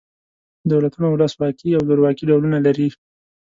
دولتونه ولس واکي او زورواکي ډولونه لري.